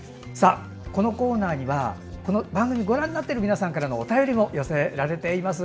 このコーナーには番組をご覧になっている皆さんからのお便りも寄せられています。